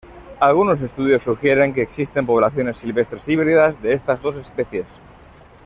Algunos estudios sugieren que existen poblaciones silvestres híbridas de estas dos especies.